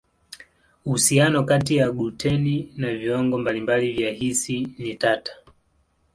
Uhusiano kati ya gluteni na viwango mbalimbali vya hisi ni tata.